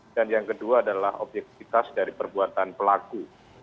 dan yang kedua adalah objektifitas dari perbuatan pelaku